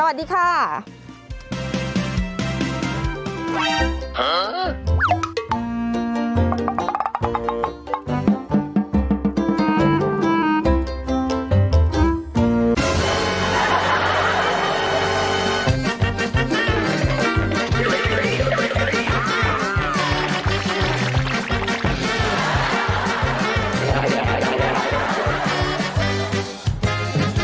ขอบคุณครับ